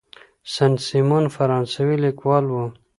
سن سیمون فرانسوي لیکوال و.